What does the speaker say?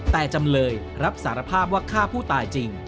แต่จำเลยรับสารภาพว่าฆ่าผู้ตายจริง